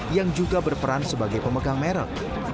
yang juga berperan sebagai pemegang merek